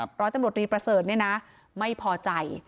ร้อยตำรวจรีประเสริฐเนี่ยนะไม่พอใจ